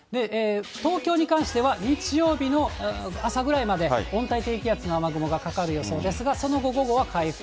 東京に関しては日曜日の朝ぐらいまで、温帯低気圧の雨雲がかかる予想ですが、その後、午後は回復。